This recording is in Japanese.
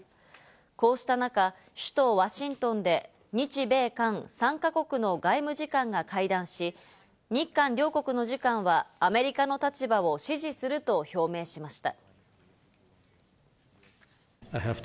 こうした中、首都ワシントンで日米韓３か国の外務次官が会談し、日韓両国の次官はアメリカの立場を支持すると表明しました。